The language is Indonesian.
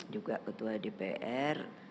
juga ketua dpr